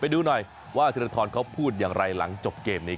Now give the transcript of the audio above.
ไปดูหน่อยว่าทีรธรพูดอย่างไรหลังจบเกมนี้